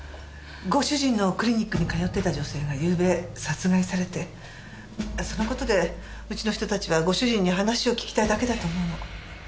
ご主人のクリニックに通ってた女性がゆうべ殺害されてその事でうちの人たちはご主人に話を聞きたいだけだと思うの。